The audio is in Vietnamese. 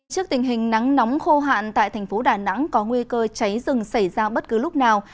trước tình hình nắng nóng khô hạn tại thành phố đà nẵng có nguy cơ cháy rừng xảy ra bất cứ lúc nào